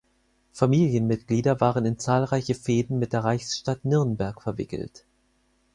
Familienmitglieder waren in zahlreiche Fehden mit der Reichsstadt Nürnberg verwickelt.